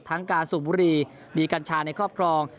การสูบบุรีมีกัญชาในครอบครอง